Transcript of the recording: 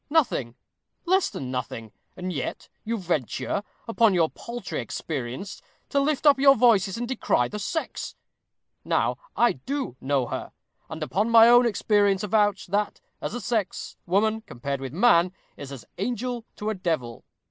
Nothing less than nothing; and yet you venture, upon your paltry experience, to lift up your voices and decry the sex. Now I do know her; and upon my own experience avouch, that, as a sex, woman, compared with man, is as an angel to a devil.